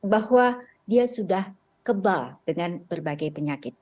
bahwa dia sudah kebal dengan berbagai penyakit